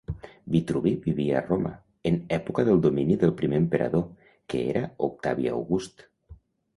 Vitruvi vivia a Roma, en època del domini del primer emperador, que era Octavi August.